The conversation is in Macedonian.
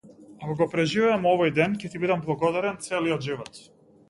Ако го преживеам овој ден ќе ти бидам благодарен целиот живот.